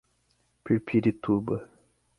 Pirpirituba